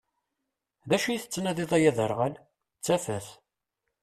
D acu i tettnadi-ḍ ay aderɣal? D tafat.